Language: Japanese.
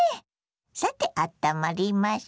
さてあったまりましょ。